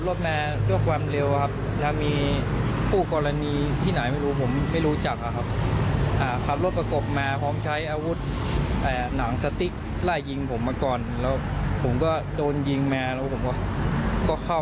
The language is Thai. แล้วผมหลบไม่ทันมันคือเขามาจอดก่อนล้อมผมไว้ก่อน